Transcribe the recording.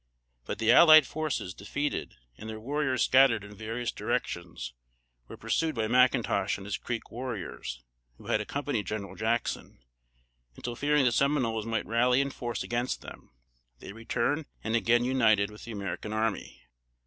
But the allied forces, defeated, and their warriors scattered in various directions, were pursued by McIntosh and his Creek warriors, who had accompanied General Jackson, until fearing the Seminoles might rally in force against them, they returned and again united with the American army.